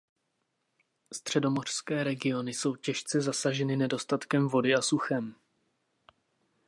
Středomořské regiony jsou těžce zasaženy nedostatkem vody a suchem.